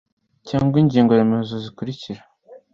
cyangwa ingingo remezo zikurikira